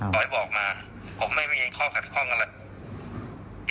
บอกให้บอกมาผมไม่มีข้อขัดข้องอะไร